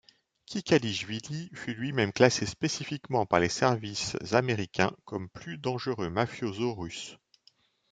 Kikalishvili fut lui-même classé spécifiquement par les services américains comme plus dangereux mafioso russe.